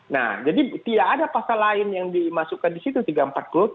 nah jadi tidak ada pasal lain yang dimasukkan disitu tiga ratus empat puluh tiga ratus tiga puluh delapan